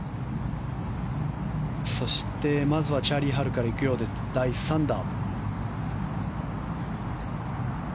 そして、まずはチャーリー・ハルから第３打。